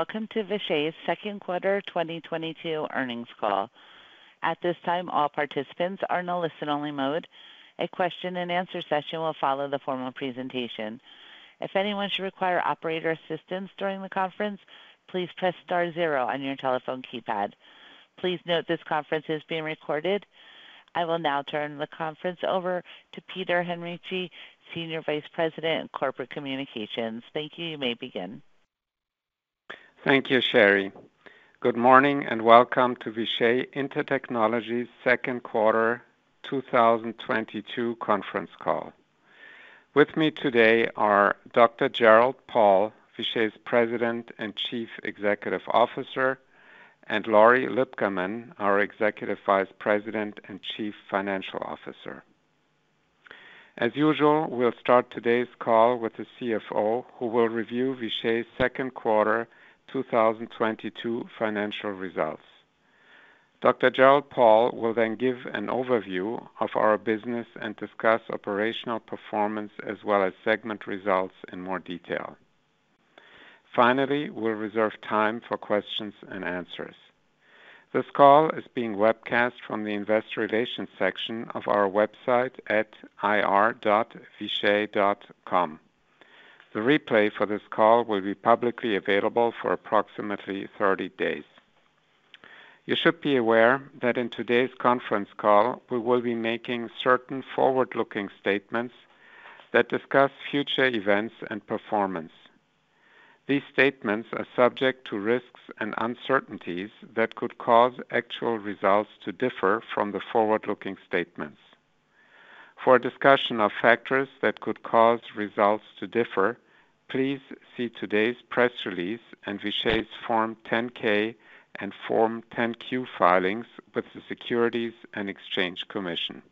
Welcome to Vishay's Q2 2022 earnings call. At this time, all participants are in a listen-only mode. A question and answer session will follow the formal presentation. If anyone should require operator assistance during the conference, please press star zero on your telephone keypad. Please note this conference is being recorded. I will now turn the conference over to Peter Henrici, Senior Vice President of Corporate Communications. Thank you. You may begin. Thank you, Sherry. Good morning and welcome to Vishay Intertechnology's Q2 2022 conference call. With me today are Dr. Gerald Paul, Vishay's President and Chief Executive Officer, and Lori Lipcaman, our Executive Vice President and Chief Financial Officer. As usual, we'll start today's call with the CFO, who will review Vishay's Q2 2022 financial results. Dr. Gerald Paul will then give an overview of our business and discuss operational performance as well as segment results in more detail. Finally, we'll reserve time for questions and answers. This call is being webcast from the investor relations section of our website at ir.vishay.com. The replay for this call will be publicly available for approximately 30 days. You should be aware that in today's conference call, we will be making certain forward-looking statements that discuss future events and performance. These statements are subject to risks and uncertainties that could cause actual results to differ from the forward-looking statements. For a discussion of factors that could cause results to differ, please see today's press release and Vishay's Form 10-K and Form 10-Q filings with the Securities and Exchange Commission.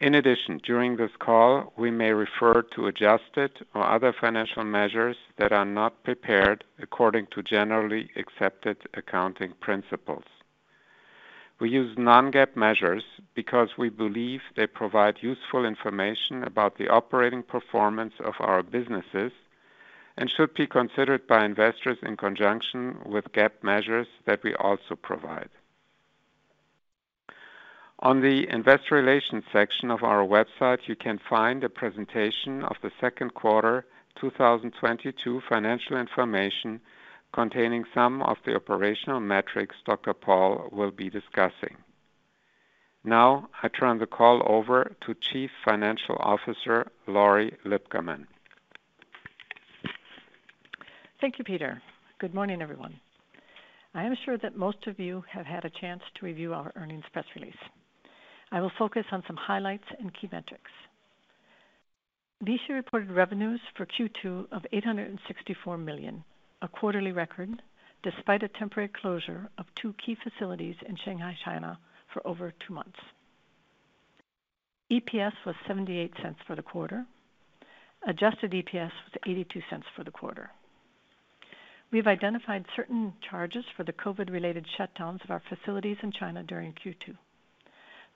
In addition, during this call, we may refer to adjusted or other financial measures that are not prepared according to generally accepted accounting principles. We use non-GAAP measures because we believe they provide useful information about the operating performance of our businesses and should be considered by investors in conjunction with GAAP measures that we also provide. On the investor relations section of our website, you can find a presentation of the Q2 2022 financial information containing some of the operational metrics Dr. Paul will be discussing. Now I turn the call over to Chief Financial Officer Lori Lipcaman. Thank you, Peter. Good morning, everyone. I am sure that most of you have had a chance to review our earnings press release. I will focus on some highlights and key metrics. Vishay reported revenues for Q2 of $864 million, a quarterly record despite a temporary closure of 2 key facilities in Shanghai, China for over 2 months. EPS was $0.78 for the quarter. Adjusted EPS was $0.82 for the quarter. We've identified certain charges for the COVID-related shutdowns of our facilities in China during Q2.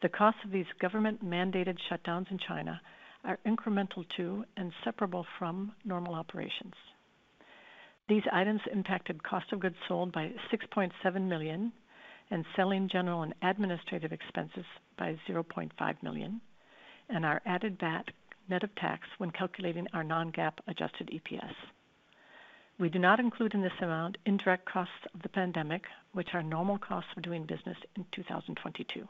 The cost of these government-mandated shutdowns in China are incremental to and separable from normal operations. These items impacted cost of goods sold by $6.7 million and selling, general and administrative expenses by $0.5 million and are added back net of tax when calculating our non-GAAP adjusted EPS. We do not include in this amount indirect costs of the pandemic, which are normal costs of doing business in 2022.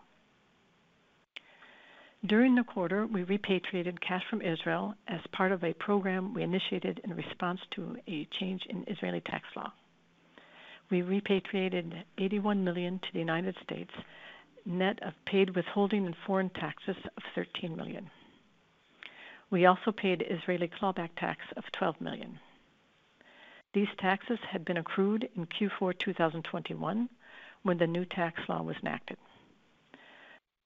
During the quarter, we repatriated cash from Israel as part of a program we initiated in response to a change in Israeli tax law. We repatriated $81 million to the United States, net of paid withholding and foreign taxes of $13 million. We also paid Israeli clawback tax of $12 million. These taxes had been accrued in Q4 2021 when the new tax law was enacted.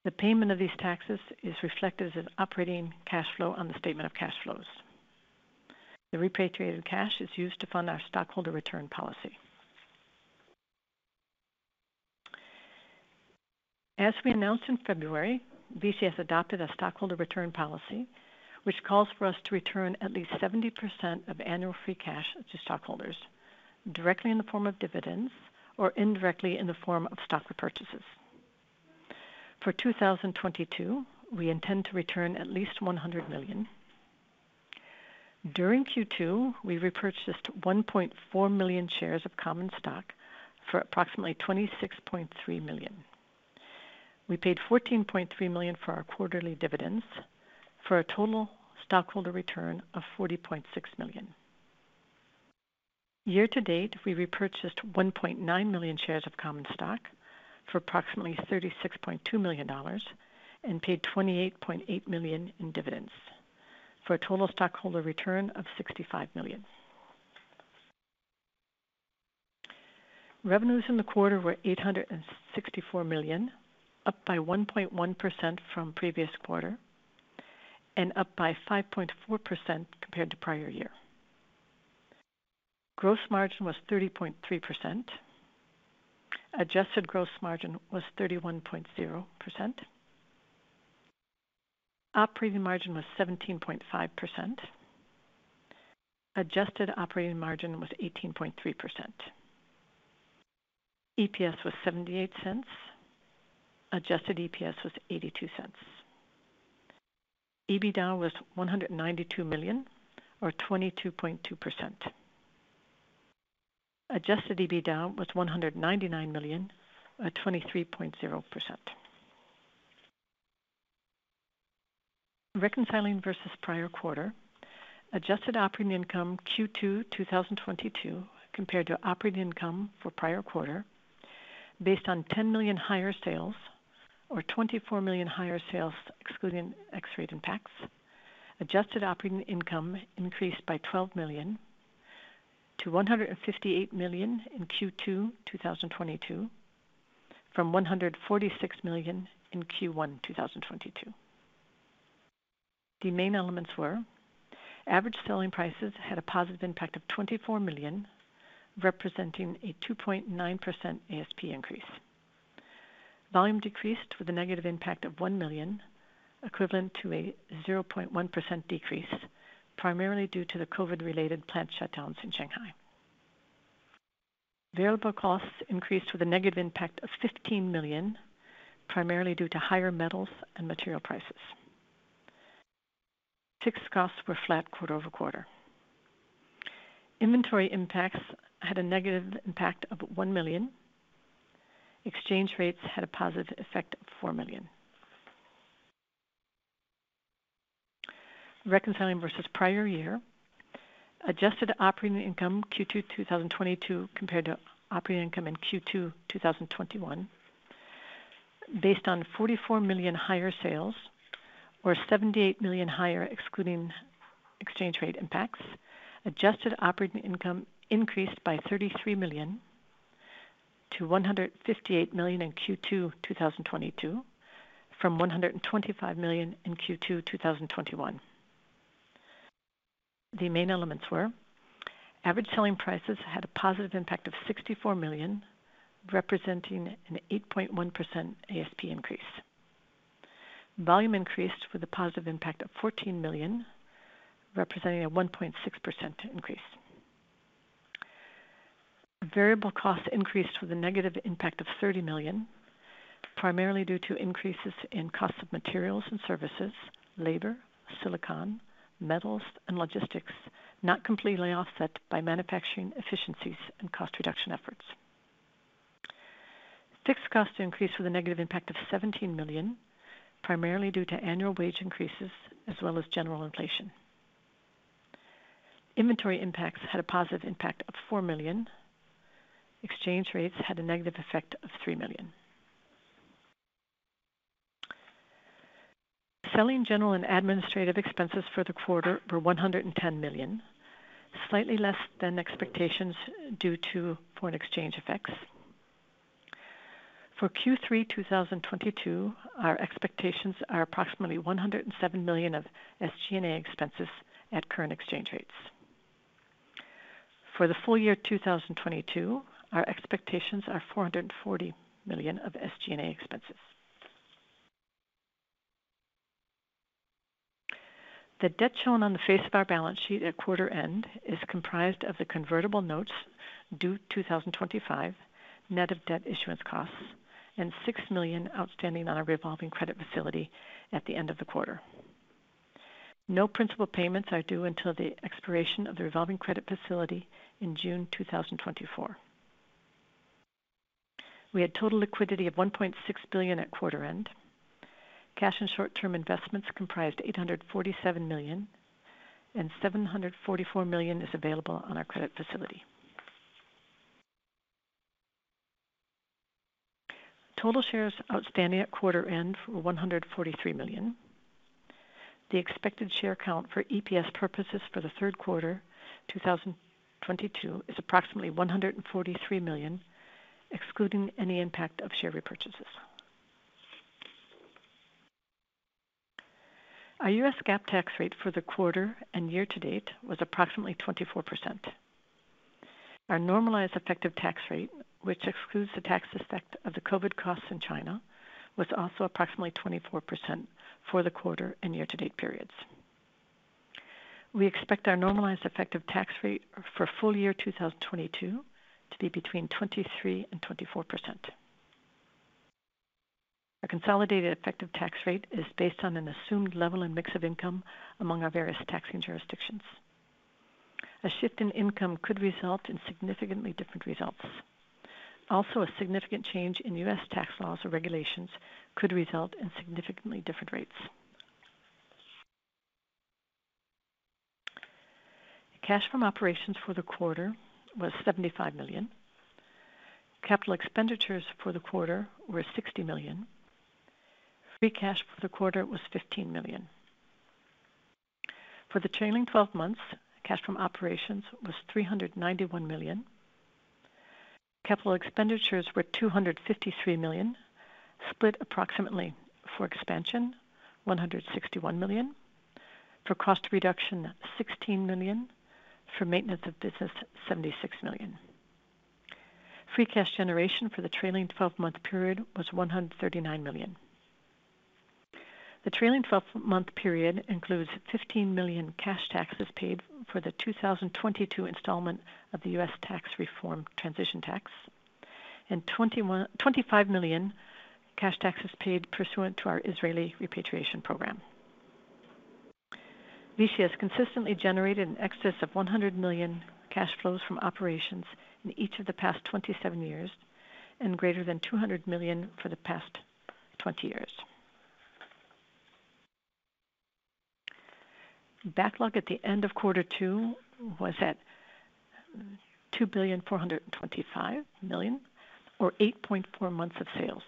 The payment of these taxes is reflected as operating cash flow on the statement of cash flows. The repatriated cash is used to fund our stockholder return policy. As we announced in February, Vishay has adopted a stockholder return policy which calls for us to return at least 70% of annual free cash to stockholders directly in the form of dividends or indirectly in the form of stock repurchases. For 2022, we intend to return at least $100 million. During Q2, we repurchased 1.4 million shares of common stock for approximately $26.3 million. We paid $14.3 million for our quarterly dividends for a total stockholder return of $40.6 million. Year to date, we repurchased 1.9 million shares of common stock for approximately $36.2 million and paid $28.8 million in dividends for a total stockholder return of $65 million. Revenues in the quarter were $864 million, up by 1.1% from previous quarter and up by 5.4% compared to prior year. Gross margin was 30.3%. Adjusted gross margin was 31.0%. Operating margin was 17.5%. Adjusted operating margin was 18.3%. EPS was $0.78. Adjusted EPS was $0.82. EBITDA was $192 million or 22.2%. Adjusted EBITDA was $199 million at 23.0%. Reconciling versus prior quarter, adjusted operating income Q2 2022 compared to operating income for prior quarter based on $10 million higher sales or $24 million higher sales excluding FX-rate impacts. Adjusted operating income increased by $12 million to $158 million in Q2 2022 from $146 million in Q1 2022. The main elements were average selling prices had a positive impact of $24 million, representing a 2.9% ASP increase. Volume decreased with a negative impact of $1 million, equivalent to a 0.1% decrease, primarily due to the COVID-related plant shutdowns in Shanghai. Variable costs increased with a negative impact of $15 million, primarily due to higher metals and material prices. Fixed costs were flat quarter-over-quarter. Inventory impacts had a negative impact of $1 million. Exchange rates had a positive effect of $4 million. Reconciling versus prior year. Adjusted operating income Q2 2022 compared to operating income in Q2 2021 based on $44 million higher sales or $78 million higher excluding exchange rate impacts. Adjusted operating income increased by $33 million to $158 million in Q2 2022 from $125 million in Q2 2021. The main elements were average selling prices had a positive impact of $64 million, representing an 8.1% ASP increase. Volume increased with a positive impact of $14 million, representing a 1.6% increase. Variable costs increased with a negative impact of $30 million, primarily due to increases in cost of materials and services, labor, silicon, metals, and logistics, not completely offset by manufacturing efficiencies and cost reduction efforts. Fixed costs increased with a negative impact of $17 million, primarily due to annual wage increases as well as general inflation. Inventory impacts had a positive impact of $4 million. Exchange rates had a negative effect of $3 million. Selling, general, and administrative expenses for the quarter were $110 million, slightly less than expectations due to foreign exchange effects. For Q3 2022, our expectations are approximately $107 million of SG&A expenses at current exchange rates. For the full year 2022, our expectations are $440 million of SG&A expenses. The debt shown on the face of our balance sheet at quarter end is comprised of the convertible notes due 2025, net of debt issuance costs, and $6 million outstanding on our revolving credit facility at the end of the quarter. No principal payments are due until the expiration of the revolving credit facility in June 2024. We had total liquidity of $1.6 billion at quarter end. Cash and short-term investments comprised $847 million, and $744 million is available on our credit facility. Total shares outstanding at quarter end were 143 million. The expected share count for EPS purposes for the Q3 2022 is approximately 143 million, excluding any impact of share repurchases. Our U.S. GAAP tax rate for the quarter and year to date was approximately 24%. Our normalized effective tax rate, which excludes the tax effect of the COVID costs in China, was also approximately 24% for the quarter and year to date periods. We expect our normalized effective tax rate for full year 2022 to be between 23% and 24%. Our consolidated effective tax rate is based on an assumed level and mix of income among our various taxing jurisdictions. A shift in income could result in significantly different results. Also, a significant change in U.S. tax laws or regulations could result in significantly different rates. Cash from operations for the quarter was $75 million. Capital expenditures for the quarter were $60 million. Free cash for the quarter was $15 million. For the trailing 12 months, cash from operations was $391 million. Capital expenditures were $253 million, split approximately for expansion $161 million, for cost reduction $16 million, for maintenance of business $76 million. Free cash generation for the trailing 12-month period was $139 million. The trailing 12-month period includes $15 million cash taxes paid for the 2022 installment of the U.S. Tax Reform Transition Tax and 25 million cash taxes paid pursuant to our Israeli repatriation program. Vishay has consistently generated an excess of $100 million cash flows from operations in each of the past 27 years, and greater than $200 million for the past 20 years. Backlog at the end of Q2 was at $2.425 billion, or 8.4 months of sales.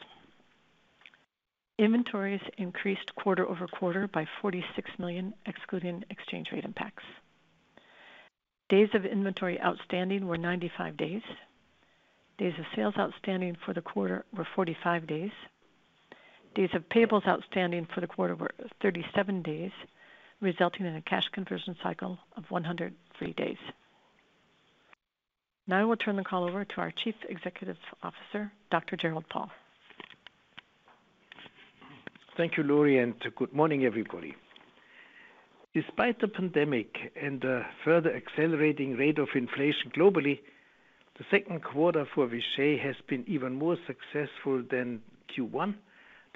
Inventories increased quarter-over-quarter by $46 million, excluding exchange rate impacts. Days of inventory outstanding were 95 days. Days of sales outstanding for the quarter were 45 days. Days of payables outstanding for the quarter were 37 days, resulting in a cash conversion cycle of 103 days. Now I will turn the call over to our Chief Executive Officer, Dr. Gerald Paul. Thank you, Lori, and good morning, everybody. Despite the pandemic and the further accelerating rate of inflation globally, the Q2 for Vishay has been even more successful than Q1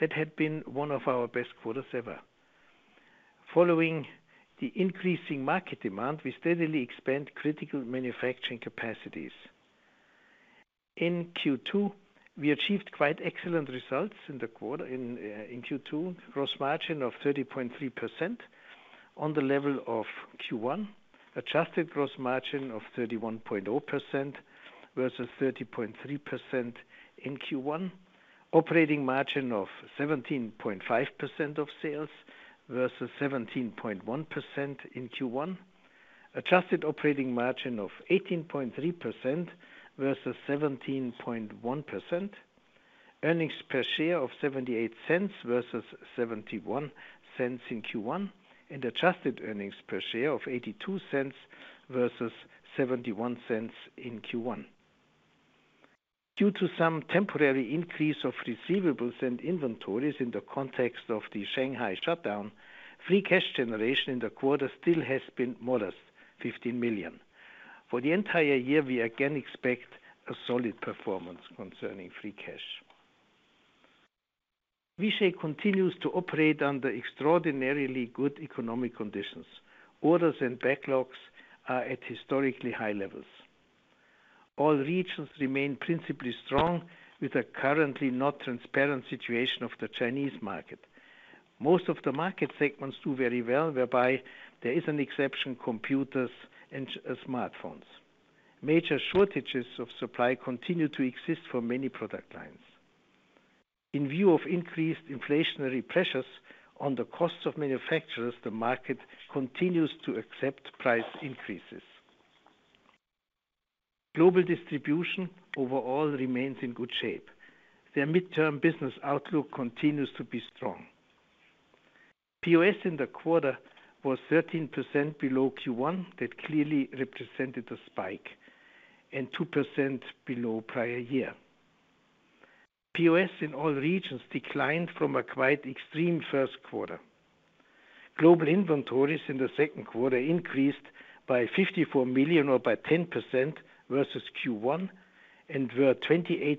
that had been one of our best quarters ever. Following the increasing market demand, we steadily expand critical manufacturing capacities. In Q2, we achieved quite excellent results. Gross margin of 30.3% on the level of Q1. Adjusted gross margin of 31.0% versus 30.3% in Q1. Operating margin of 17.5% of sales versus 17.1% in Q1. Adjusted operating margin of 18.3% versus 17.1%. Earnings per share of $0.78 versus $0.71 in Q1, and adjusted earnings per share of $0.82 versus $0.71 in Q1. Due to some temporary increase of receivables and inventories in the context of the Shanghai shutdown, free cash generation in the quarter still has been modest, $15 million. For the entire year, we again expect a solid performance concerning free cash. Vishay continues to operate under extraordinarily good economic conditions. Orders and backlogs are at historically high levels. All regions remain principally strong with a currently not transparent situation of the Chinese market. Most of the market segments do very well, whereby there is an exception, computers and smartphones. Major shortages of supply continue to exist for many product lines. In view of increased inflationary pressures on the costs of manufacturers, the market continues to accept price increases. Global distribution overall remains in good shape. Their midterm business outlook continues to be strong. POS in the quarter was 13% below Q1, that clearly represented a spike, and 2% below prior year. POS in all regions declined from a quite extreme Q1. Global inventories in the Q2 increased by $54 million or by 10% versus Q1, and were 28%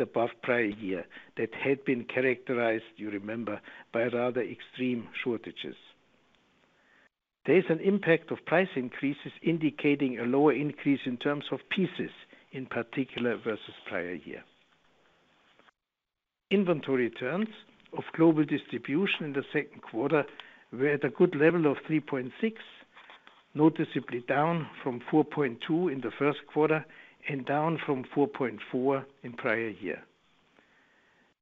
above prior year. That had been characterized, you remember, by rather extreme shortages. There is an impact of price increases indicating a lower increase in terms of pieces, in particular versus prior year. Inventory turns of global distribution in the Q2 were at a good level of 3.6, noticeably down from 4.2 in the Q1 and down from 4.4 in prior year.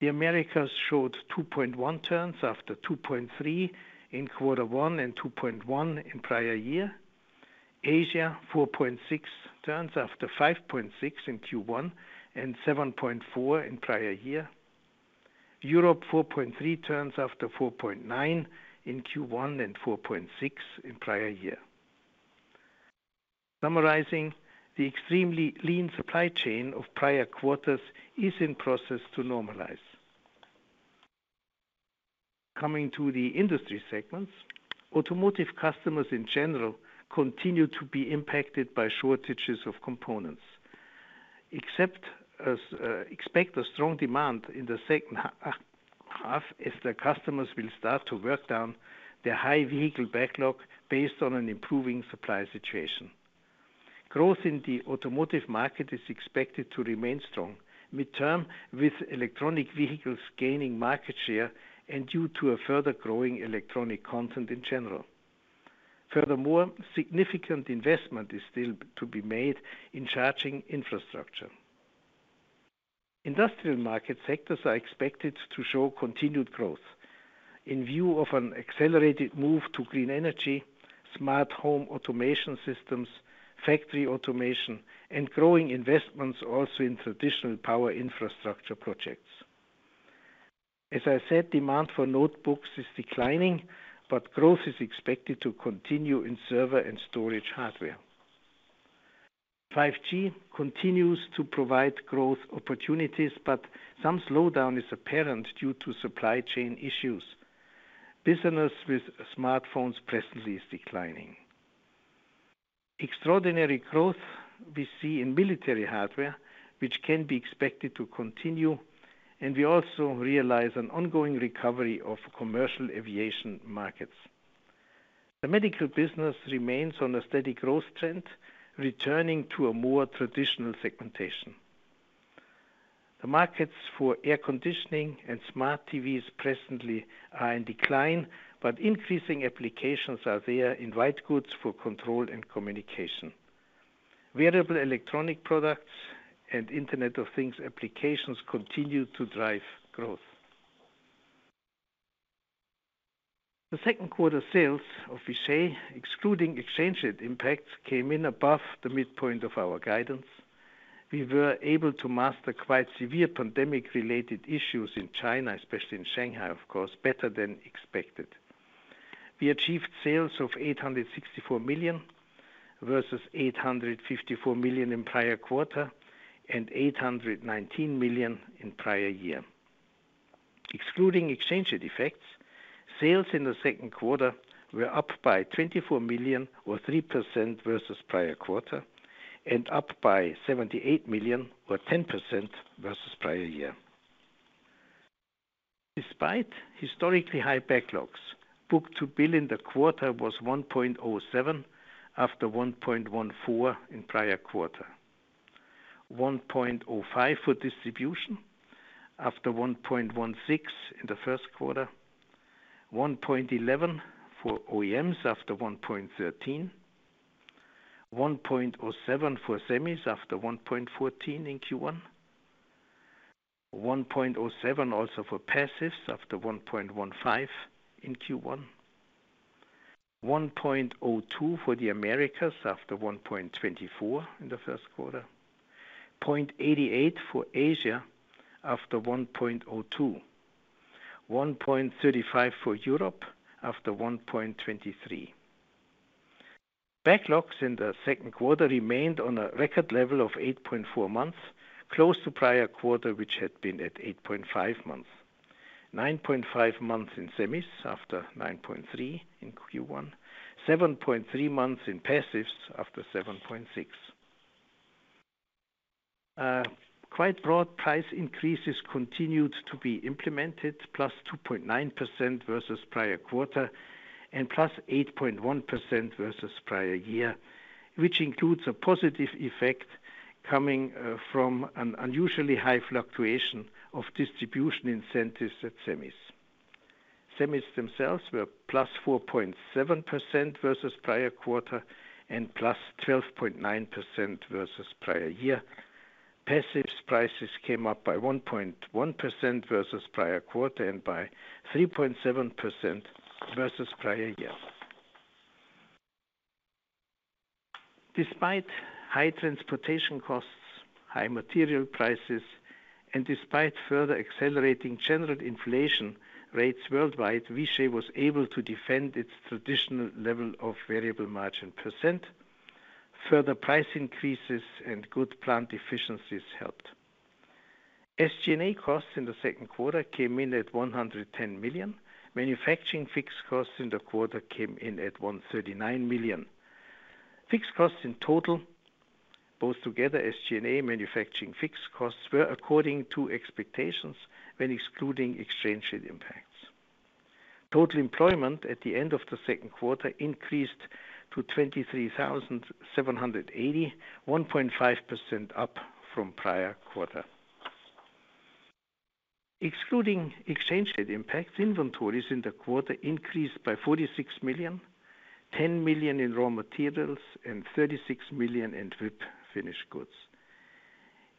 The Americas showed 2.1 turns after 2.3 in Q1 and 2.1 in prior year. Asia, 4.6 turns after 5.6 in Q1 and 7.4 in prior year. Europe, 4.3 turns after 4.9 in Q1 and 4.6 in prior year. Summarizing, the extremely lean supply chain of prior quarters is in process to normalize. Coming to the industry segments, automotive customers in general continue to be impacted by shortages of components. Expect a strong demand in the H2 as the customers will start to work down their high vehicle backlog based on an improving supply situation. Growth in the automotive market is expected to remain strong midterm with electric vehicles gaining market share and due to a further growing electronic content in general. Furthermore, significant investment is still to be made in charging infrastructure. Industrial market sectors are expected to show continued growth in view of an accelerated move to green energy, smart home automation systems, factory automation, and growing investments also in traditional power infrastructure projects. As I said, demand for notebooks is declining, but growth is expected to continue in server and storage hardware. 5G continues to provide growth opportunities, but some slowdown is apparent due to supply chain issues. Business with smartphones presently is declining. Extraordinary growth we see in military hardware, which can be expected to continue, and we also realize an ongoing recovery of commercial aviation markets. The medical business remains on a steady growth trend, returning to a more traditional segmentation. The markets for air conditioning and smart TVs presently are in decline, but increasing applications are there in white goods for control and communication. Wearable electronic products and Internet of Things applications continue to drive growth. The Q2 sales of Vishay, excluding exchange rate impacts, came in above the midpoint of our guidance. We were able to master quite severe pandemic-related issues in China, especially in Shanghai, of course, better than expected. We achieved sales of $864 million versus $854 million in prior quarter and $819 million in prior year. Excluding exchange rate effects, sales in the Q2 were up by $24 million or 3% versus prior quarter and up by $78 million or 10% versus prior year. Despite historically high backlogs, book-to-bill in the quarter was 1.07 after 1.14 in prior quarter. 1.05 for distribution after 1.16 in the Q1. 1.11 for OEMs after 1.13. 1.07 for semis after 1.14 in Q1. 1.07 also for passives after 1.15 in Q1. 1.02 for the Americas after 1.24 in the Q1. 0.88 for Asia after 1.02. 1.35 for Europe after 1.23. Backlogs in the Q2 remained on a record level of 8.4 months, close to prior quarter, which had been at 8.5 months. 9.5 months in semis after 9.3 in Q1. 7.3 months in passives after 7.6. Quite broad price increases continued to be implemented +2.9% versus prior quarter and +8.1% versus prior year, which includes a positive effect coming from an unusually high fluctuation of distribution incentives at semis. Semis themselves were +4.7% versus prior quarter and +12.9% versus prior year. Passives prices came up by 1.1% versus prior quarter and by 3.7% versus prior year. Despite high transportation costs, high material prices, and despite further accelerating general inflation rates worldwide, Vishay was able to defend its traditional level of variable margin %. Further price increases and good plant efficiencies helped. SG&A costs in the Q2 came in at $110 million. Manufacturing fixed costs in the quarter came in at $139 million. Fixed costs in total, both together, SG&A and manufacturing fixed costs, were according to expectations when excluding exchange rate impacts. Total employment at the end of the Q2 increased to 23,780, 1.5% up from prior quarter. Excluding exchange rate impacts, inventories in the quarter increased by $46 million, $10 million in raw materials and $36 million in WIP finished goods.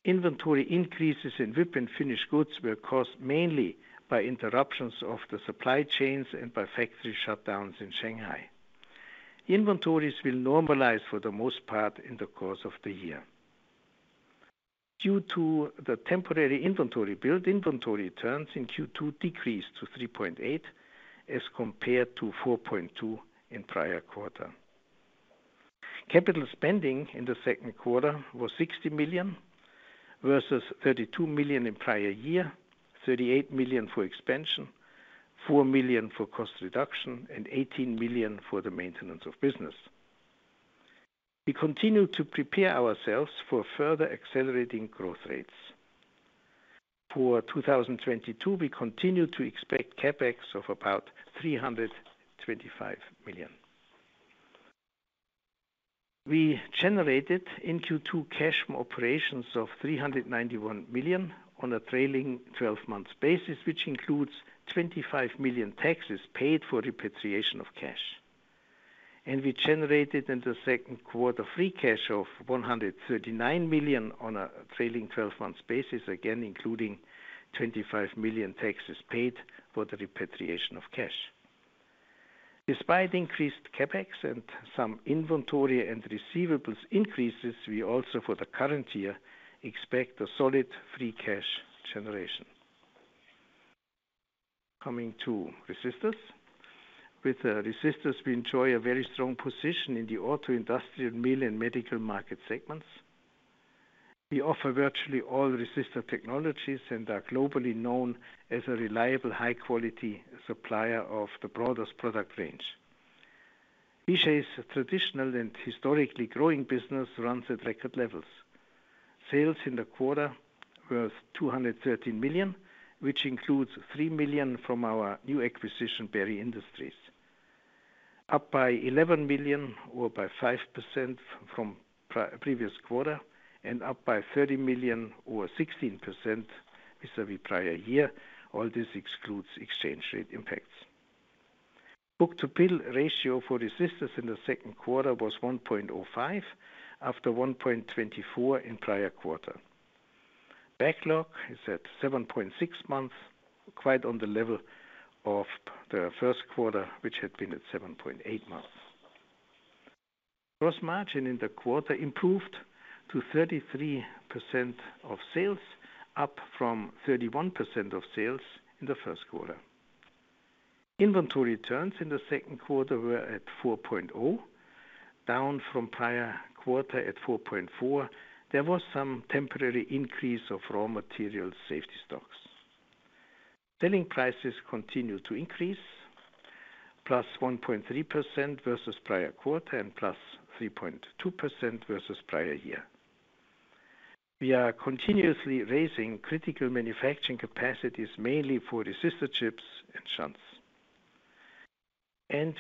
Inventory increases in WIP and finished goods were caused mainly by interruptions of the supply chains and by factory shutdowns in Shanghai. Inventories will normalize for the most part in the course of the year. Due to the temporary inventory build, inventory turns in Q2 decreased to 3.8 as compared to 4.2 in prior quarter. Capital spending in the Q2 was $60 million versus $32 million in prior year, $38 million for expansion, $4 million for cost reduction, and $18 million for the maintenance of business. We continue to prepare ourselves for further accelerating growth rates. For 2022, we continue to expect CapEx of about $325 million. We generated in Q2 cash from operations of $391 million on a trailing 12 month basis, which includes $25 million taxes paid for repatriation of cash. We generated in the Q2 free cash of $139 million on a trailing 12 month basis, again, including $25 million taxes paid for the repatriation of cash. Despite increased CapEx and some inventory and receivables increases, we also for the current year expect a solid free cash generation. Coming to Resistors. With the Resistors, we enjoy a very strong position in the auto, industrial, military, and medical market segments. We offer virtually all resistor technologies and are globally known as a reliable high quality supplier of the broadest product range. Vishay's traditional and historically growing business runs at record levels. Sales in the quarter were $213 million, which includes $3 million from our new acquisition, Barry Industries. Up by $11 million or by 5% from previous quarter and up by $30 million or 16% vis-à-vis prior year. All this excludes exchange rate impacts. Book-to-bill ratio for Resistors in the Q2 was 1.05 after 1.24 in prior quarter. Backlog is at 7.6 months, quite on the level of the Q1, which had been at 7.8 months. Gross margin in the quarter improved to 33% of sales, up from 31% of sales in the Q1. Inventory turns in the Q2 were at 4.0, down from prior quarter at 4.4. There was some temporary increase of raw material safety stocks. Selling prices continued to increase, +1.3% versus prior quarter and +3.2% versus prior year. We are continuously raising critical manufacturing capacities mainly for resistor chips and shunts.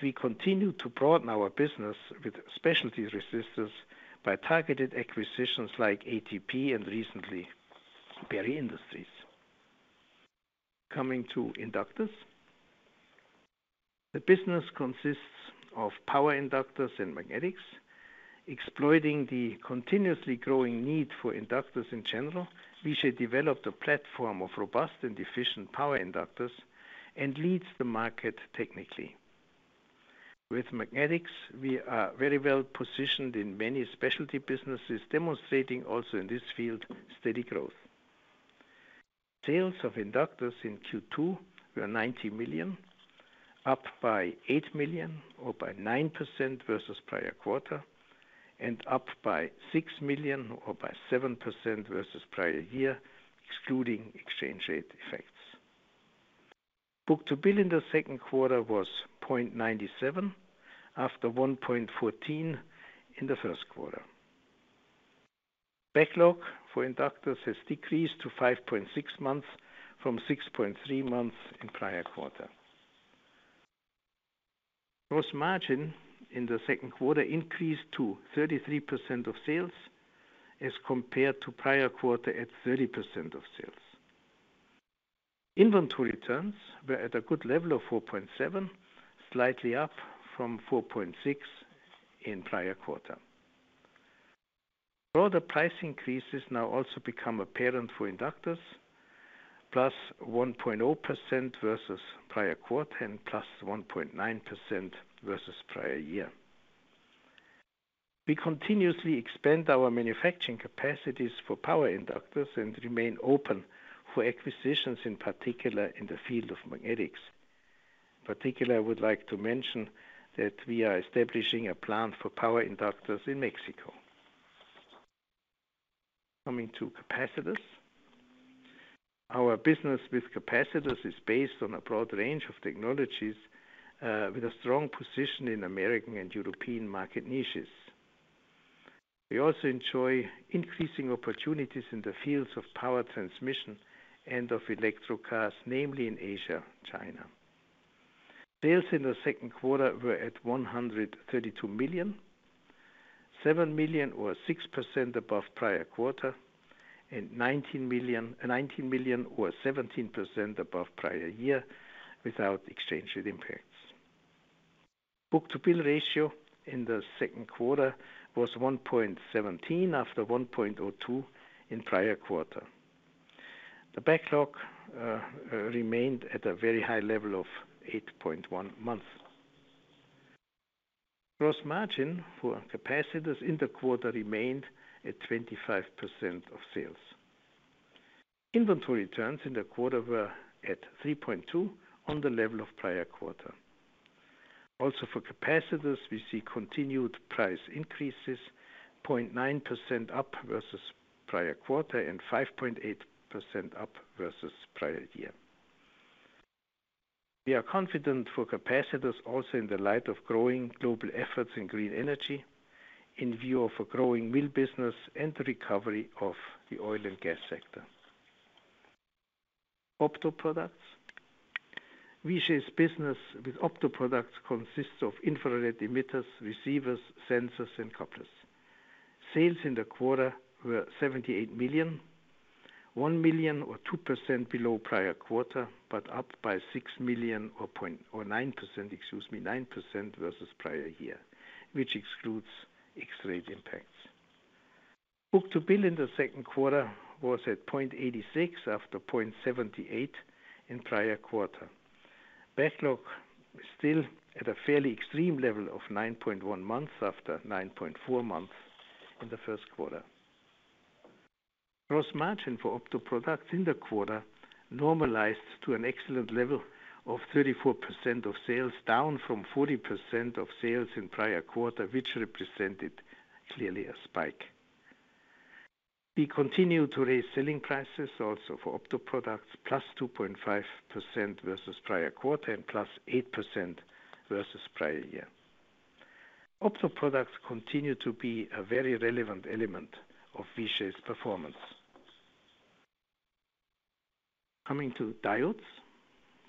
We continue to broaden our business with specialty resistors by targeted acquisitions like ATP and recently Barry Industries. Coming to inductors. The business consists of power inductors and magnetics. Exploiting the continuously growing need for inductors in general, Vishay developed a platform of robust and efficient power inductors and leads the market technically. With magnetics, we are very well positioned in many specialty businesses, demonstrating also in this field steady growth. Sales of inductors in Q2 were $90 million, up by $8 million or by 9% versus prior quarter and up by $6 million or by 7% versus prior year, excluding exchange rate effects. book-to-bill in the Q2 was 0.97 after 1.14 in the Q1. Backlog for inductors has decreased to 5.6 months from 6.3 months in prior quarter. Gross margin in the Q2 increased to 33% of sales as compared to prior quarter at 30% of sales. Inventory turns were at a good level of 4.7, slightly up from 4.6 in prior quarter. Further price increases now also become apparent for Inductors, +1.0% versus prior quarter and +1.9% versus prior year. We continuously expand our manufacturing capacities for power inductors and remain open for acquisitions, in particular in the field of magnetics. In particular, I would like to mention that we are establishing a plant for power inductors in Mexico. Coming to Capacitors. Our business with capacitors is based on a broad range of technologies, with a strong position in American and European market niches. We also enjoy increasing opportunities in the fields of power transmission and of electric cars, namely in Asia, China. Sales in the Q2 were at $132 million, $7 million or 6% above prior quarter, and $19 million or 17% above prior year without exchange rate impacts. Book-to-bill ratio in the Q2 was 1.17 after 1.02 in prior quarter. The backlog remained at a very high level of 8.1 months. Gross margin for capacitors in the quarter remained at 25% of sales. Inventory turns in the quarter were at 3.2 on the level of prior quarter. Also for capacitors, we see continued price increases, 0.9% up versus prior quarter and 5.8% up versus prior year. We are confident for capacitors also in the light of growing global efforts in green energy in view of a growing mill business and the recovery of the oil and gas sector. Opto products. Vishay's business with opto products consists of infrared emitters, receivers, sensors, and couplers. Sales in the quarter were $78 million, $1 million or 2% below prior quarter, but up by $6 million or 9%, excuse me. 9% versus prior year, which excludes FX-rate impacts. Book-to-bill in the Q2 was at 0.86 after 0.78 in prior quarter. Backlog is still at a fairly extreme level of 9.1 months after 9.4 months in the Q1. Gross margin for opto products in the quarter normalized to an excellent level of 34% of sales, down from 40% of sales in prior quarter, which represented clearly a spike. We continue to raise selling prices also for opto products, +2.5% versus prior quarter and +8% versus prior year. Opto products continue to be a very relevant element of Vishay's performance. Coming to diodes.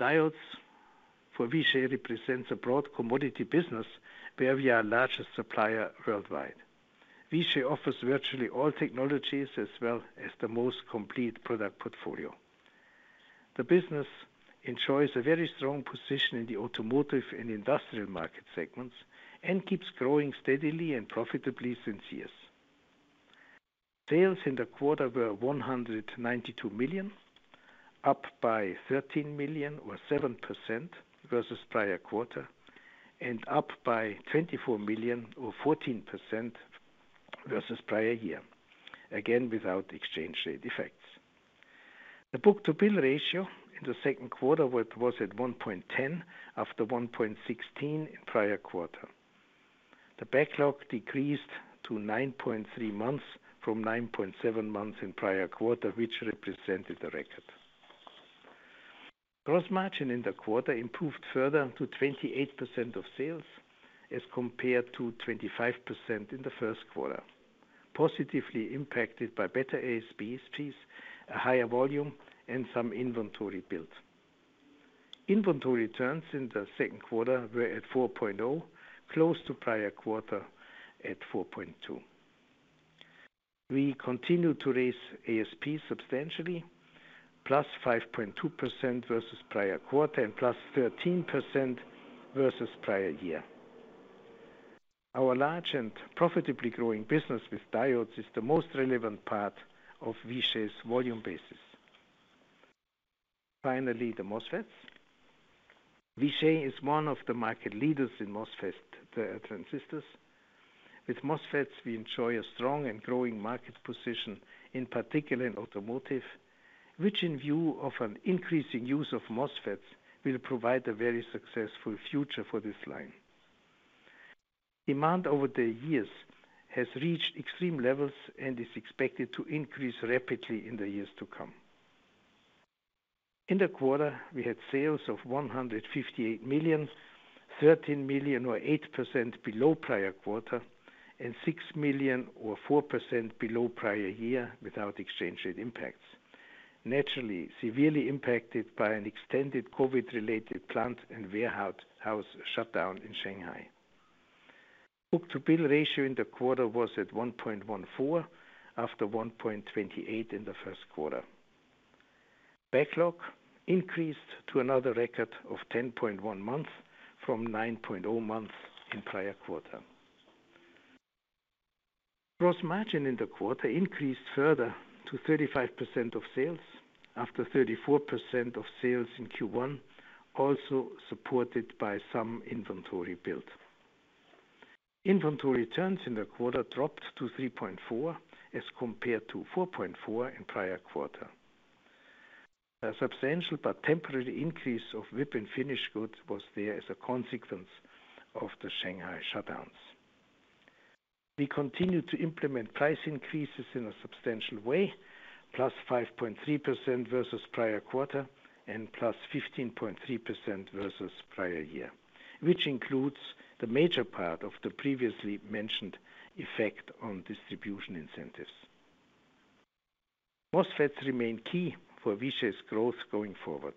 Diodes for Vishay represents a broad commodity business where we are largest supplier worldwide. Vishay offers virtually all technologies as well as the most complete product portfolio. The business enjoys a very strong position in the automotive and industrial market segments and keeps growing steadily and profitably for years. Sales in the quarter were $192 million, up by $13 million or 7% versus prior quarter, and up by $24 million or 14% versus prior year. Again, without exchange rate effects. The book-to-bill ratio in the Q2 was at 1.10 after 1.16 in prior quarter. The backlog decreased to 9.3 months from 9.7 months in prior quarter, which represented a record. Gross margin in the quarter improved further to 28% of sales as compared to 25% in the Q1, positively impacted by better ASPs, a higher volume, and some inventory build. Inventory turns in the Q2 were at 4.0, close to prior quarter at 4.2. We continue to raise ASP substantially, +5.2% versus prior quarter and +13% versus prior year. Our large and profitably growing business with diodes is the most relevant part of Vishay's volume basis. Finally, the MOSFETs. Vishay is one of the market leaders in MOSFET transistors. With MOSFETs, we enjoy a strong and growing market position, in particular in automotive, which in view of an increasing use of MOSFETs, will provide a very successful future for this line. Demand over the years has reached extreme levels and is expected to increase rapidly in the years to come. In the quarter, we had sales of $158 million, $13 million or 8% below prior quarter and $6 million or 4% below prior year without exchange rate impacts. Naturally, severely impacted by an extended COVID-related plant and warehouse shutdown in Shanghai. Book-to-bill ratio in the quarter was at 1.14 after 1.28 in the Q1. Backlog increased to another record of 10.1 months from 9.0 months in prior quarter. Gross margin in the quarter increased further to 35% of sales after 34% of sales in Q1, also supported by some inventory build. Inventory turns in the quarter dropped to 3.4 as compared to 4.4 in prior quarter. A substantial but temporary increase of WIP and finished goods was there as a consequence of the Shanghai shutdowns. We continued to implement price increases in a substantial way, +5.3% versus prior quarter and +5.3% versus prior year, which includes the major part of the previously mentioned effect on distribution incentives. MOSFETs remain key for Vishay's growth going forward,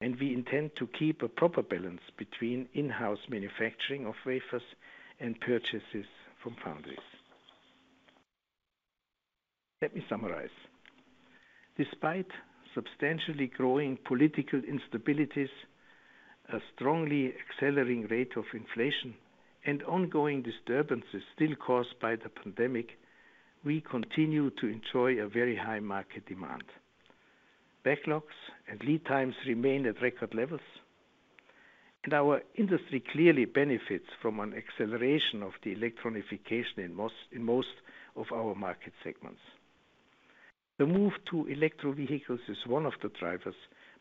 and we intend to keep a proper balance between in-house manufacturing of wafers and purchases from foundries. Let me summarize. Despite substantially growing political instabilities, a strongly accelerating rate of inflation, and ongoing disturbances still caused by the pandemic, we continue to enjoy a very high market demand. Backlogs and lead times remain at record levels, and our industry clearly benefits from an acceleration of the electronification in most of our market segments. The move to electric vehicles is one of the drivers,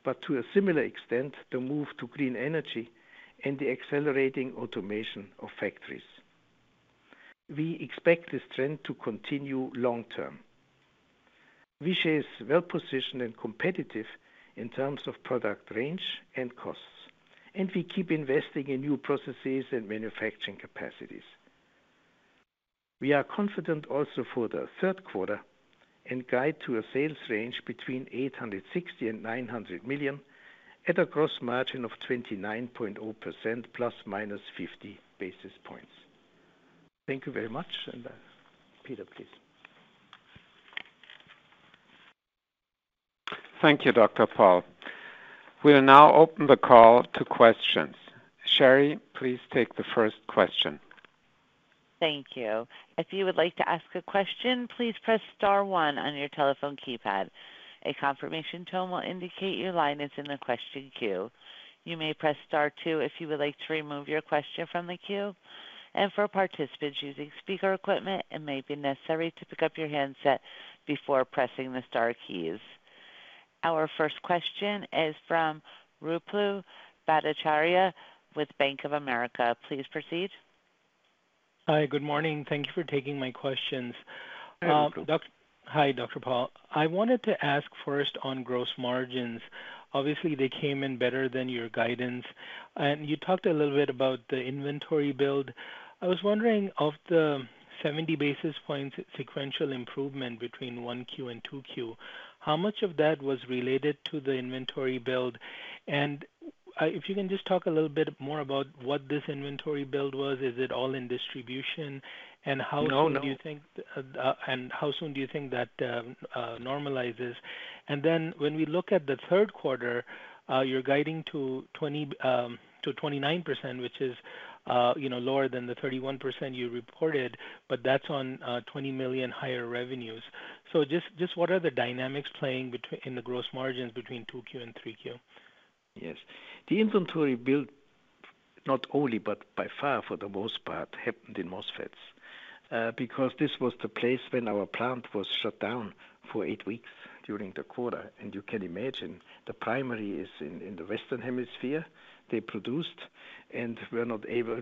but to a similar extent, the move to green energy and the accelerating automation of factories. We expect this trend to continue long term. Vishay is well-positioned and competitive in terms of product range and costs, and we keep investing in new processes and manufacturing capacities. We are confident also for the Q3 and guide to a sales range between $860 million and $900 million at a gross margin of 29.0% ±50 basis points. Thank you very much. Peter, please. Thank you, Dr. Paul. We'll now open the call to questions. Sherry, please take the first question. Thank you. If you would like to ask a question, please press star one on your telephone keypad. A confirmation tone will indicate your line is in the question queue. You may press star two if you would like to remove your question from the queue. For participants using speaker equipment, it may be necessary to pick up your handset before pressing the star keys. Our first question is from Ruplu Bhattacharya with Bank of America. Please proceed. Hi. Good morning. Thank you for taking my questions. Hi, Ruplu. Hi, Dr. Paul. I wanted to ask first on gross margins. Obviously, they came in better than your guidance. You talked a little bit about the inventory build. I was wondering, of the 70 basis points sequential improvement between 1Q and 2Q, how much of that was related to the inventory build? If you can just talk a little bit more about what this inventory build was, is it all in distribution? No, no. How soon do you think that normalizes? Then when we look at the Q3, you're guiding to 29%, which is, you know, lower than the 31% you reported, but that's on $20 million higher revenues. Just what are the dynamics playing in the gross margins between 2Q and 3Q? Yes. The inventory build, not only, but by far for the most part, happened in MOSFETs. Because this was the phase when our plant was shut down for 8 weeks during the quarter. You can imagine the primary is in the Western Hemisphere, they produced, and we were not able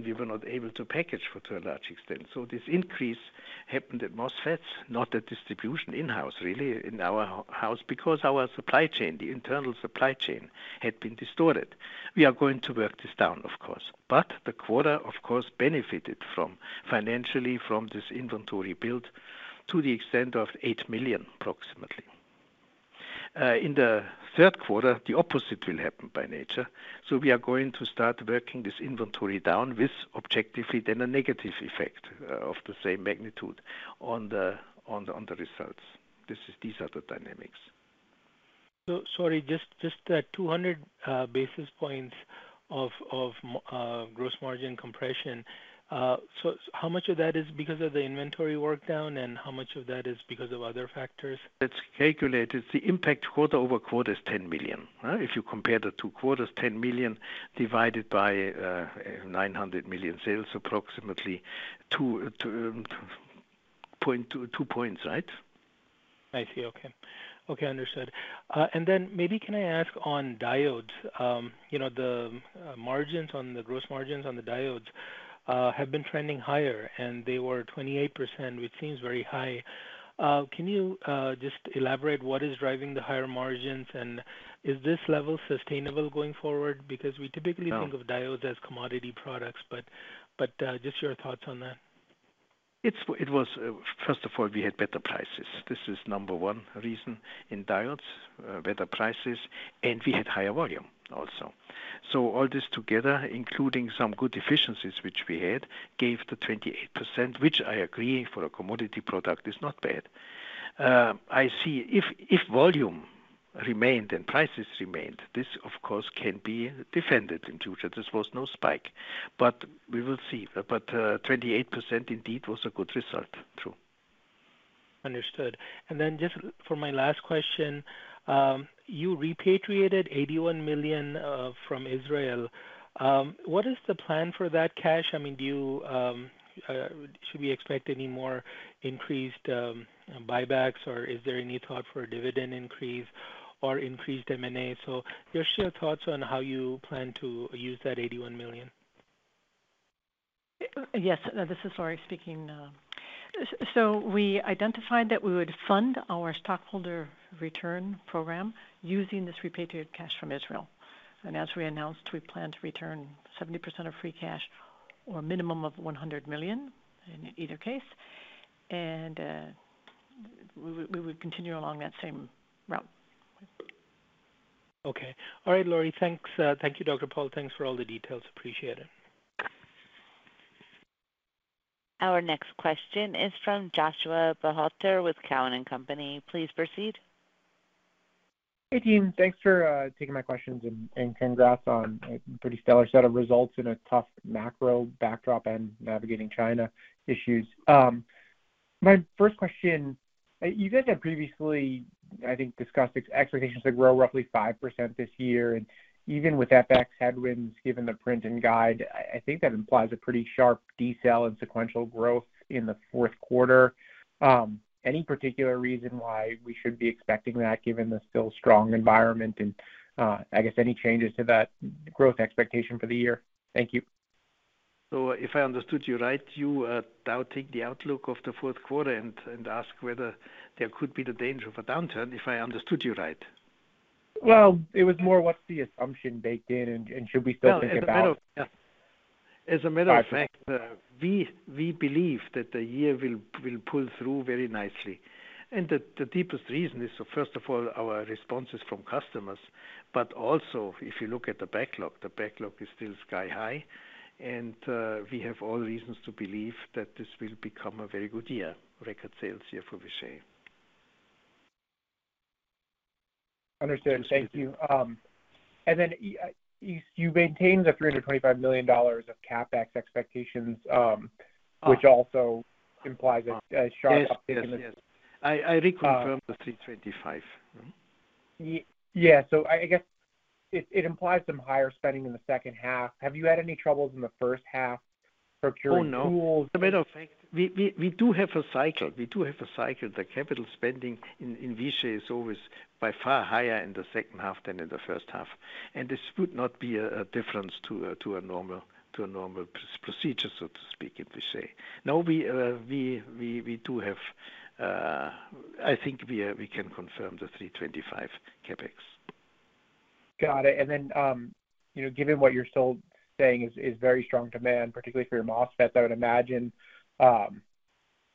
to package to a large extent. This increase happened at MOSFETs, not at distribution in-house, really, in our house because our supply chain, the internal supply chain, had been distorted. We are going to work this down, of course. The quarter, of course, benefited financially from this inventory build to the extent of approximately $8 million. In the Q3, the opposite will happen by nature. We are going to start working this inventory down with objectively then a negative effect of the same magnitude on the results. These are the dynamics. Sorry, just that 200 basis points of gross margin compression. How much of that is because of the inventory drawdown, and how much of that is because of other factors? It's calculated. The impact quarter-over-quarter is $10 million, right? If you compare the 2 quarters, $10 million divided by $900 million sales, approximately 2.2 points, right? I see. Okay. Okay. Understood. Maybe can I ask on diodes? You know, gross margins on the diodes have been trending higher, and they were 28%, which seems very high. Can you just elaborate what is driving the higher margins? Is this level sustainable going forward? No. Because we typically think of diodes as commodity products, but just your thoughts on that. It was first of all, we had better prices. This is number 1 reason in diodes, better prices, and we had higher volume also. All this together, including some good efficiencies which we had, gave the 28%, which I agree for a commodity product is not bad. I see if volume remained and prices remained, this, of course, can be defended in future. This was no spike, but we will see. 28% indeed was a good result. True. Understood. Then just for my last question, you repatriated $81 million from Israel. What is the plan for that cash? I mean, should we expect any more increased buybacks, or is there any thought for a dividend increase or increased M&A? Just your thoughts on how you plan to use that $81 million. Yes. This is Lori speaking. We identified that we would fund our stockholder return program using this repatriated cash from Israel. As we announced, we plan to return 70% of free cash or a minimum of $100 million in either case. We would continue along that same route. Okay. All right, Lori. Thanks. Thank you, Dr. Paul. Thanks for all the details. Appreciate it. Our next question is from Joshua Buchalter with Cowen and Company. Please proceed. Hey, team. Thanks for taking my questions, and congrats on a pretty stellar set of results in a tough macro backdrop and navigating China issues. My first question, you guys have previously, I think, discussed expectations to grow roughly 5% this year. Even with FX headwinds, given the print and guide, I think that implies a pretty sharp decel in sequential growth in the Q4. Any particular reason why we should be expecting that given the still strong environment? I guess any changes to that growth expectation for the year? Thank you. If I understood you right, you now take the outlook of the Q4 and ask whether there could be the danger of a downturn, if I understood you right. Well, it was more what's the assumption baked in and should we still think about? Yeah. Sorry. As a matter of fact, we believe that the year will pull through very nicely. The deepest reason is, so first of all, our responses from customers, but also if you look at the backlog, the backlog is still sky-high, and we have all reasons to believe that this will become a very good year, record sales year for Vishay. Understood. Thank you. You maintain the $325 million of CapEx expectations, which also implies a sharp update on the Yes, yes. I reconfirmed the $325. Yeah. I guess it implies some higher spending in the H2. Have you had any troubles in the H1 procuring tools? Oh, no. As a matter of fact, we do have a cycle. The capital spending in Vishay is always by far higher in the H2 than in the H1. This would not be a difference to a normal procedure, so to speak, at Vishay. No, we do have. I think we can confirm the 325 CapEx. Got it. Then, you know, given what you're still saying is very strong demand, particularly for your MOSFET, I would imagine,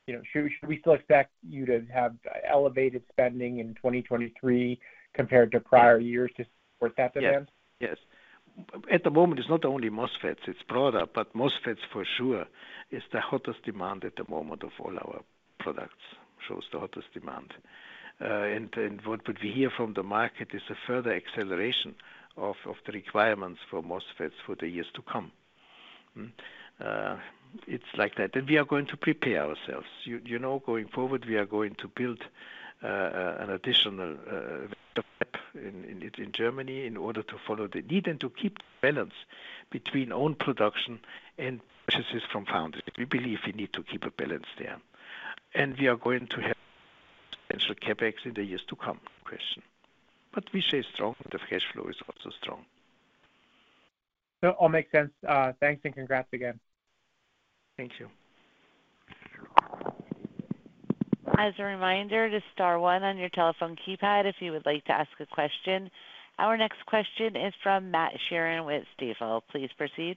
you know, should we still expect you to have elevated spending in 2023 compared to prior years to support that demand? Yes. At the moment, it's not only MOSFET, it's broader, but MOSFETs for sure is the hottest demand at the moment of all our products, shows the hottest demand. What would we hear from the market is a further acceleration of the requirements for MOSFETs for the years to come. It's like that. We are going to prepare ourselves. You know, going forward, we are going to build an additional fab in Germany in order to follow the need and to keep balance between own production and purchases from foundries. We believe we need to keep a balance there. We are going to have potential CapEx in the years to come. Vishay is strong, and the cash flow is also strong. No, all makes sense. Thanks and congrats again. Thank you. As a reminder, just star one on your telephone keypad if you would like to ask a question. Our next question is from Matthew Sheerin with Stifel. Please proceed.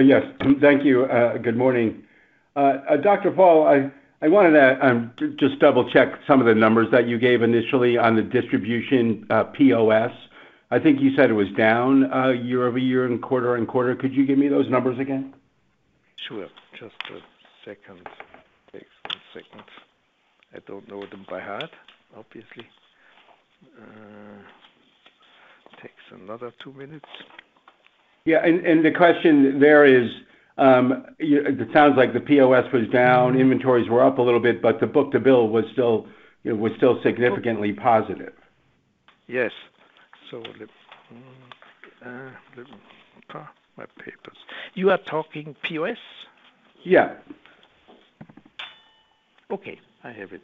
Yes. Thank you. Good morning. Dr. Paul, I wanted to just double-check some of the numbers that you gave initially on the distribution POS. I think you said it was down year-over-year and quarter-over-quarter. Could you give me those numbers again? Sure. Just a second. Takes 1 second. I don't know them by heart, obviously. Takes another 2 minutes. Yeah. The question there is, it sounds like the POS was down, inventories were up a little bit, but the book-to-bill was still significantly positive. Yes. My papers. You are talking POS? Yeah. Okay. I have it.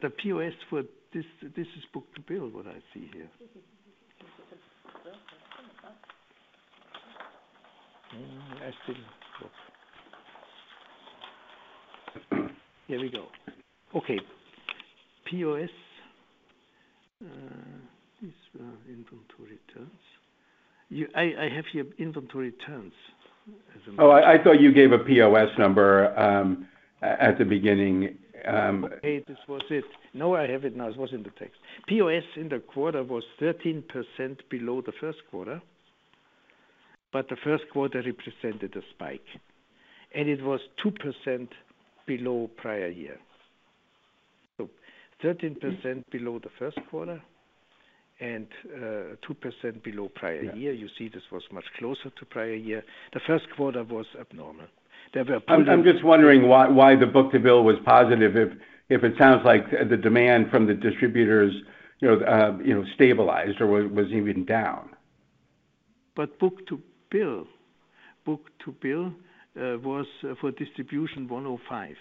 The POS for this is book-to-bill, what I see here. Here we go. Okay. POS. These are inventory terms. I have here inventory terms at the moment. Oh, I thought you gave a POS number at the beginning. Okay. This was it. Now I have it. It was in the text. POS in the quarter was 13% below the Q1, but the Q1 represented a spike, and it was 2% below prior year. 13% below the Q1 and 2% below prior year. You see this was much closer to prior year. The Q1 was abnormal. There were pull-ins. I'm just wondering why the book-to-bill was positive if it sounds like the demand from the distributors, you know, you know, stabilized or was even down. Book-to-bill was for distribution 1.05.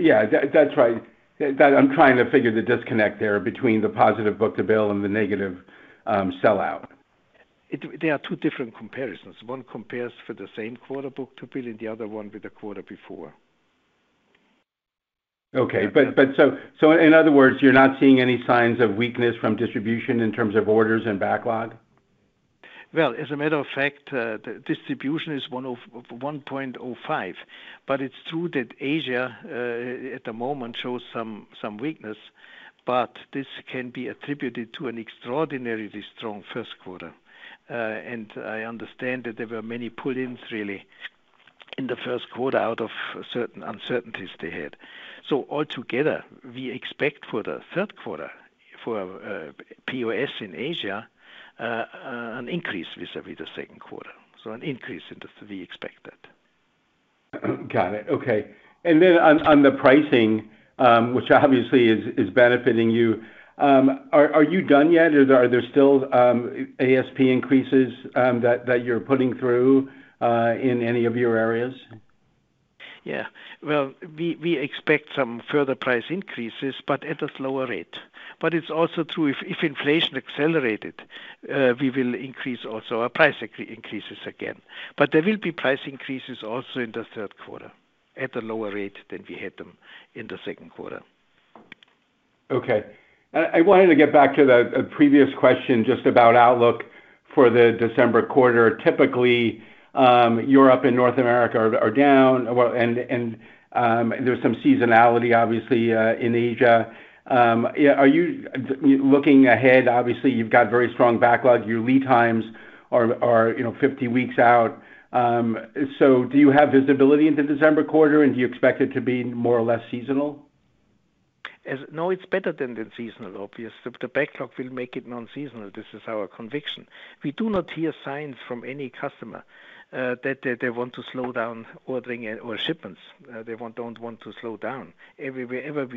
Yeah, that's right. I'm trying to figure the disconnect there between the positive book-to-bill and the negative sellout. There are 2 different comparisons. 1 compares for the same quarter book-to-bill, and the other 1 with the quarter before. Okay. In other words, you're not seeing any signs of weakness from distribution in terms of orders and backlog? Well, as a matter of fact, the distribution is 1.05. It's true that Asia at the moment shows some weakness, but this can be attributed to an extraordinarily strong Q1. I understand that there were many pull-ins really in the Q1 out of certain uncertainties they had. Altogether, we expect for the Q3 for POS in Asia an increase vis-à-vis the Q2. An increase. We expect that. Got it. Okay. On the pricing, which obviously is benefiting you, are you done yet? Are there still ASP increases that you're putting through in any of your areas? Yeah. Well, we expect some further price increases, but at a slower rate. It's also true if inflation accelerated, we will increase also our price increases again. There will be price increases also in the Q3 at a lower rate than we had them in the Q2. Okay. I wanted to get back to a previous question just about outlook for the December quarter. Typically, Europe and North America are down. Well, there's some seasonality obviously in Asia. Looking ahead, obviously, you've got very strong backlog. Your lead times are, you know, 50 weeks out. Do you have visibility in the December quarter, and do you expect it to be more or less seasonal? No, it's better than seasonally obvious. The backlog will make it non-seasonal. This is our conviction. We do not hear signs from any customer that they want to slow down ordering or shipments. They don't want to slow down. Everywhere,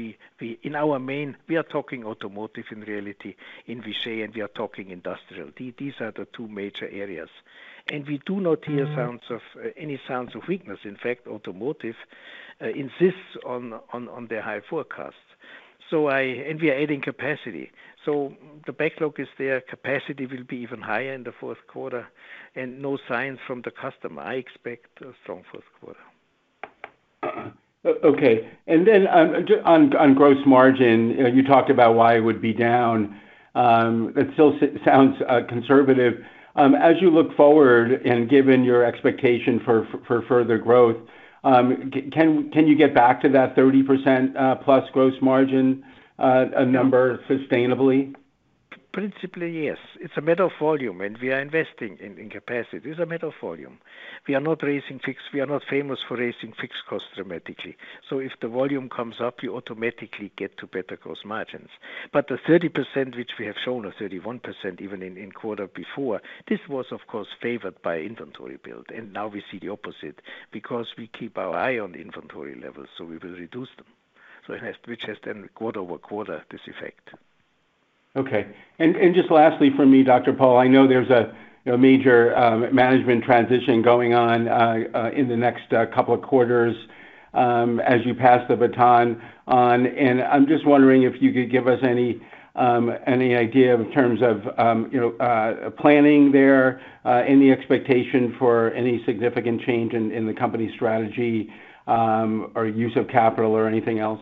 in our main, we are talking automotive in reality in Vishay, and we are talking industrial. These are the 2 major areas. We do not hear. Mm-hmm. No signs of any weakness. In fact, automotive insists on their high forecast. We are adding capacity. The backlog is there. Capacity will be even higher in the Q4 and no signs from the customer. I expect a strong Q4. Okay. Then on gross margin, you know, you talked about why it would be down. It still sounds conservative. As you look forward and given your expectation for further growth, can you get back to that 30%+ gross margin number sustainably? Principally, yes. It's a matter of volume, and we are investing in capacity. It's a matter of volume. We are not famous for raising fixed costs dramatically. If the volume comes up, you automatically get to better gross margins. The 30%, which we have shown, or 31% even in quarter before, this was of course favored by inventory build. Now we see the opposite because we keep our eye on the inventory levels, so we will reduce them. Which has then quarter-over-quarter this effect. Okay. Just lastly from me, Dr. Paul, I know there's a you know, major management transition going on in the next couple of quarters as you pass the baton on. I'm just wondering if you could give us any idea in terms of you know, planning there, any expectation for any significant change in the company strategy or use of capital or anything else?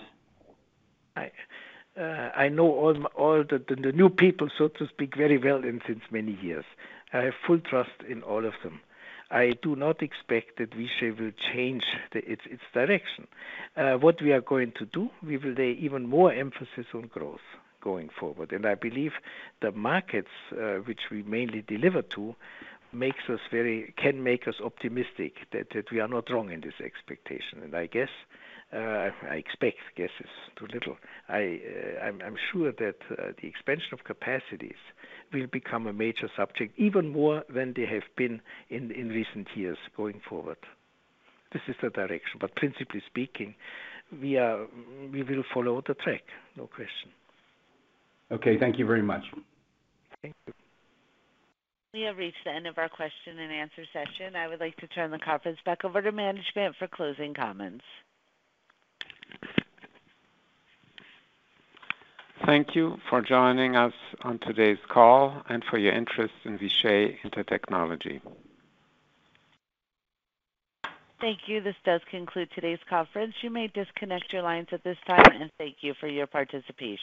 I know all the new people, so to speak, very well and since many years. I have full trust in all of them. I do not expect that Vishay will change its direction. What we are going to do, we will lay even more emphasis on growth going forward. I believe the markets which we mainly deliver to can make us optimistic that we are not wrong in this expectation. I guess, I expect, guess is too little. I'm sure that the expansion of capacities will become a major subject even more than they have been in recent years going forward. This is the direction, but principally speaking, we will follow the track, no question. Okay, thank you very much. Thank you. We have reached the end of our question and answer session. I would like to turn the conference back over to management for closing comments. Thank you for joining us on today's call and for your interest in Vishay Intertechnology. Thank you. This does conclude today's conference. You may disconnect your lines at this time, and thank you for your participation.